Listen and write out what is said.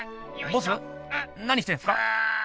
ボス何してんすか？